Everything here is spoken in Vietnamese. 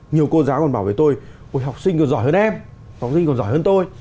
nhiều cô giáo còn bảo với tôi một học sinh còn giỏi hơn em học sinh còn giỏi hơn tôi